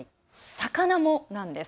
魚もなんです。